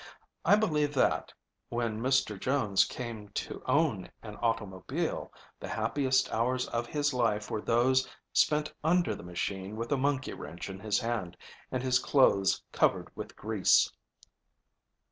I believe that, when Mr. Jones came to own an automobile, the happiest hours of his life were those spent under the machine with a monkey wrench in his hand and his clothes covered with grease."